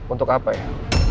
untuk apa ya